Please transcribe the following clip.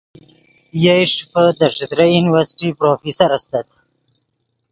یئے ݰیفے دے ݯتریئی یونیورسٹی پروفیسر استت